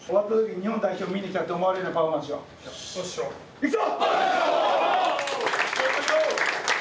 いくぞ！